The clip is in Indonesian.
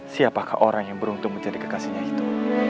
siapakah orang yang beruntung menjadi kekasihnya itu